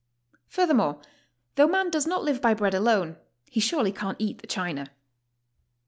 Furthermore, though man does not live by bread alone, he surely can't eat the china.